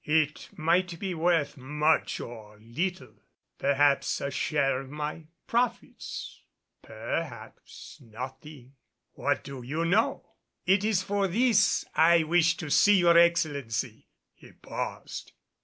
"It might be worth much or little, perhaps a share of my profits perhaps nothing. But what do you know?" "It is for this I wished to see your Excellency." He paused.